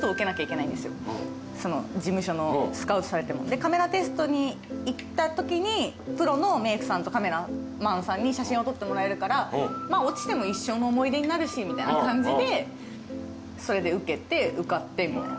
でカメラテストに行ったときにプロのメークさんとカメラマンさんに写真を撮ってもらえるから落ちても一生の思い出になるしみたいな感じでそれで受けて受かってみたいな。